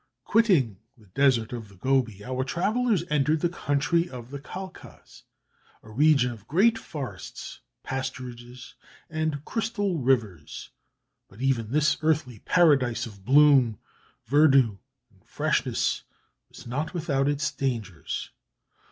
Quitting the desert of the Gobi, our travellers entered the country of the Khalkhas, a region of great forests, pasturages, and crystal rivers; but even this earthly paradise of bloom, verdure, and freshness was not without its dangers.